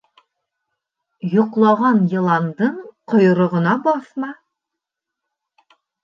Йоҡлаған йыландың ҡойроғона баҫма.